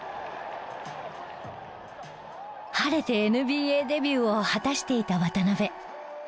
晴れてＮＢＡデビューを果たしていた渡邊。